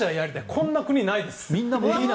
こんな国ないです。